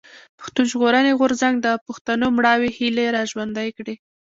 پښتون ژغورني غورځنګ د پښتنو مړاوي هيلې را ژوندۍ کړې.